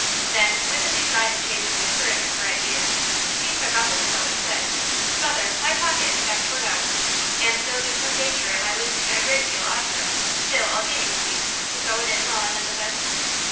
Then, with the design of changing the current of her ideas, he took off his coat and said: "Mother, my pocket is half torn out, and though there's no danger at my losing a great deal out of it, still I'll get you, please, to sew it in while I mend the fence!"